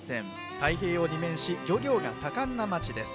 太平洋に面し漁業が盛んな町です。